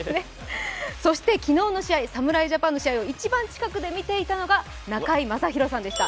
昨日の試合、侍ジャパンの試合を一番近くで見ていたのが中居正広さんでした。